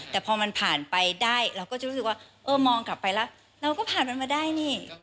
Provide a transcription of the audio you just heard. แต่พอมันผ่านไปได้เราก็จะรู้สึกว่าเออมองกลับไปแล้วเราก็ผ่านมันมาได้นี่